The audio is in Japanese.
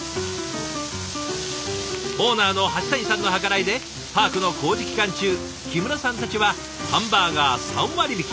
オーナーの橋谷さんの計らいでパークの工事期間中木村さんたちはハンバーガー３割引き。